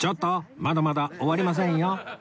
まだまだ終わりませんよ